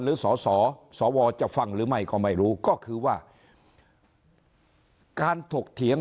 หรือสสวจะฟังหรือไม่ก็ไม่รู้ก็คือว่าการถกเถียง